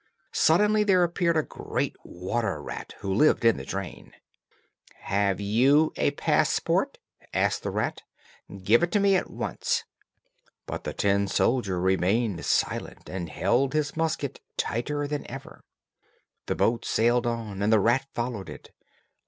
Suddenly there appeared a great water rat, who lived in the drain. "Have you a passport?" asked the rat, "give it to me at once." But the tin soldier remained silent and held his musket tighter than ever. The boat sailed on and the rat followed it.